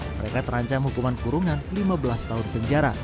mereka terancam hukuman kurungan lima belas tahun penjara